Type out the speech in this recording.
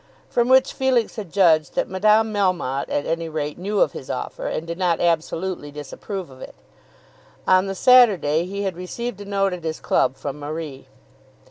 From which Felix had judged that Madame Melmotte at any rate knew of his offer, and did not absolutely disapprove of it. On the Saturday he had received a note at his club from Marie.